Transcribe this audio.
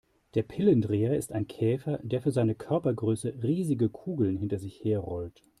Der Pillendreher ist ein Käfer, der für seine Körpergröße riesige Kugeln hinter sich her rollt.